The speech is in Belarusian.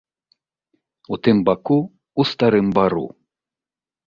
У тым баку, ў старым бару.